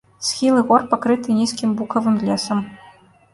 Схілы гор пакрыты нізкім букавым лесам.